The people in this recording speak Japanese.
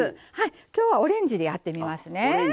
今日はオレンジでやってみますね。